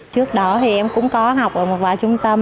trước đó thì em cũng có học ở một vài trung tâm